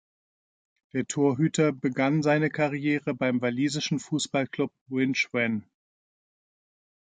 Der Torhüter begann seine Karriere beim walisischen Fußballklub Winch Wen.